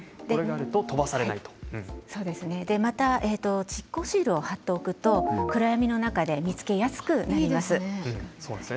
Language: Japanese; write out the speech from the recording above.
また蓄光シールを貼っておくと暗闇の中で見つけやすくなります。